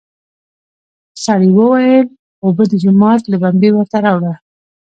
سړي وويل: اوبه د جومات له بمبې ورته راوړه!